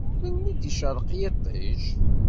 Melmi d-icerreq yiṭij?